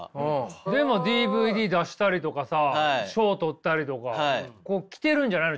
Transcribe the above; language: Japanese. でもＤＶＤ出したりとかさ賞取ったりとかこう来てるんじゃないの？